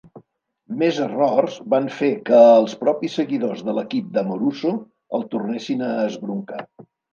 Més errors van fer que els propis seguidors de l'equip d'Amoruso el tornessin a esbroncar.